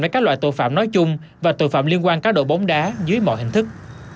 với các loại tội phạm nói chung và tội phạm liên quan cá độ bóng đá dưới mọi hình thức